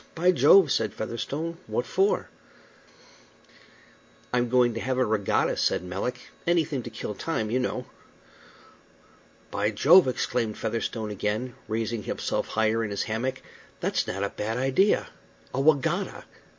By Jove!" said Featherstone. "What for?" "I'm going to have a regatta," said Melick. "Anything to kill time, you know." "By Jove!" exclaimed Featherstone again, raising himself higher in his hammock, "that's not a bad idea. A wegatta!